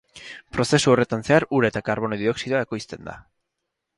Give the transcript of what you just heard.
Prozesu horretan zehar ura eta karbono dioxidoa ekoizten da.